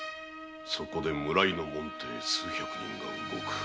そこで村井の門弟数百人が動く。